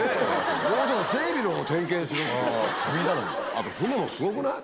あと船もすごくない？